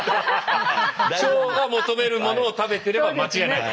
腸が求めるものを食べてれば間違いない。